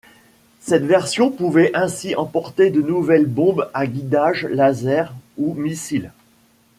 Cette version pouvait ainsi emporter de nouvelles bombes à guidage laser ou missiles.